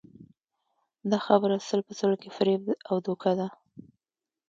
دا خبره سل په سلو کې فریب او دوکه ده